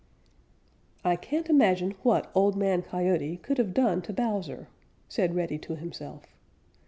"I can't imagine what Old Man Coyote could have done to Bowser," said Reddy to himself.